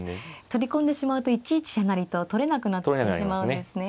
取り込んでしまうと１一飛車成と取れなくなってしまうんですね。